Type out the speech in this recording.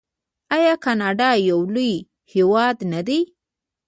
آیا کاناډا یو لوی هیواد نه دی؟